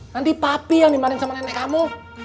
nanti papi yang dimanin sama nenek kamu